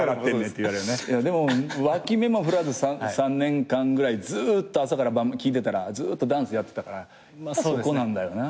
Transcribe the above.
でも脇目も振らず３年間ぐらいずっと朝から晩聞いてたらずっとダンスやってたからそこなんだよな。